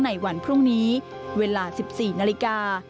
ในวันพรุ่งนี้เวลา๑๔นาฬิกา